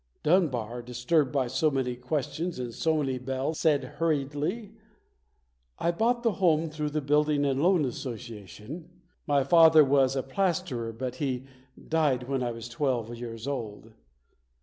Dunbar, disturbed by so many questions and so many bells, said hurriedly, "I bought the home through the Building and Loan Associa PAUL LAURENCE DUNBAR [ 45 tion. My father was a plasterer but he died when I was twelve years old".